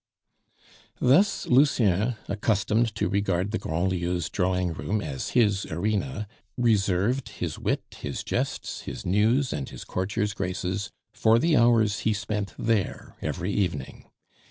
Thus Lucien, accustomed to regard the Grandlieus' drawing room as his arena, reserved his wit, his jests, his news, and his courtier's graces for the hours he spent there every evening.